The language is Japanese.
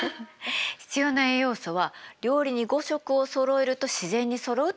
必要な栄養素は料理に５色をそろえると自然にそろうっていわれてるの。